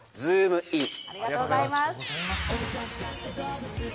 ありがとうございます。